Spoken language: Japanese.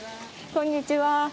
こんにちは。